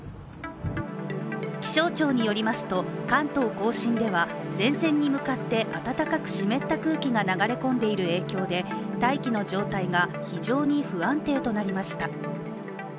気象庁によりますと、関東甲信では前線に向かって暖かく湿った空気が流れ込んでいる影響で大気の状態が非常に不安定となりました。